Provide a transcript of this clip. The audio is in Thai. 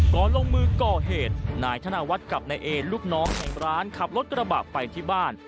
ลงมือก่อเหตุนายธนวัฒน์กับนายเอลูกน้องในร้านขับรถกระบะไปที่บ้าน